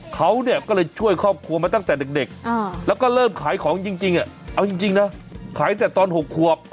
เขาเนี่ยก็เลยช่วยครอบครัวมาตั้งแต่เด็กแล้วก็เริ่มขายของจริงเอาจริงนะขายแต่ตอน๖ควบ